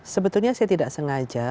sebetulnya saya tidak sengaja